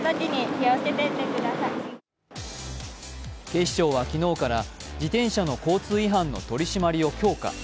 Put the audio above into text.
警視庁は昨日から自転車の交通違反の取り締まりを強化。